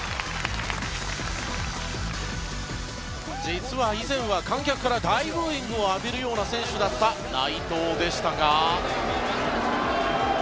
実は以前は観客から大ブーイングを浴びるような選手だった内藤でしたが。